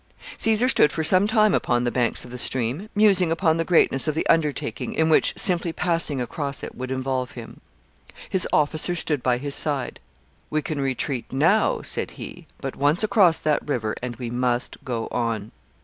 ] Caesar stood for some time upon the banks of the stream, musing upon the greatness of the undertaking in which simply passing across it would involve him. His officers stood by his side. "We can retreat now" said he, "but once across that river and we must go on."